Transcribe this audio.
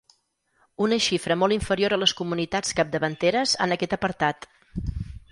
Una xifra molt inferior a les comunitats capdavanteres en aquest apartat.